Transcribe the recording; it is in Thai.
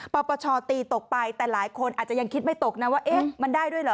ปปชตีตกไปแต่หลายคนอาจจะยังคิดไม่ตกนะว่าเอ๊ะมันได้ด้วยเหรอ